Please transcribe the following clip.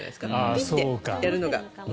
ピッてやるのが。